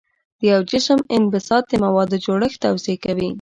د یو جسم انبساط د موادو جوړښت توضیح کوي.